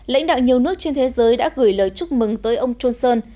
lãnh đạo nhiều nước trên thế giới đã gửi lời chúc mừng tới ông johnson